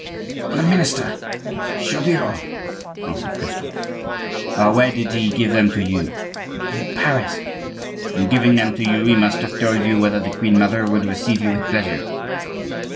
"From the minister Chaudieu," answered Christophe. "Where did he give them to you?" "In Paris." "In giving them to you he must have told you whether the queen mother would receive you with pleasure?"